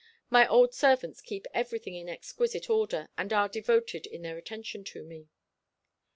My old servants keep everything in exquisite order, and are devoted in their attention to me.